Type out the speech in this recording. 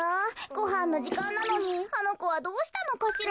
ごはんのじかんなのにあのこはどうしたのかしら？